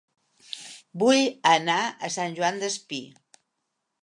Vull anar a Sant Joan Despí